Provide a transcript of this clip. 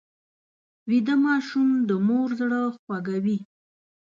ویده ماشوم د مور زړه خوږوي